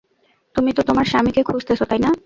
তুমি তো তোমার স্বামীকে খুজতেছো তাই না?